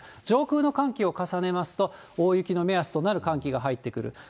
上空の寒気を重ねますと、大雪の目安となる寒気が入ってくる。